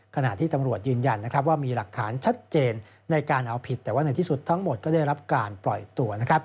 ขณะที่ตำรวจยืนยันว่ามีหลักฐานชัดเจนในการเอาผิดแต่ว่าในที่สุดทั้งหมดก็ได้รับการปล่อยตัว